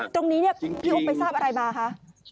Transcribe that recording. ตรงนี้เนี่ยพี่อุ๊บไปทราบอะไรมาคะ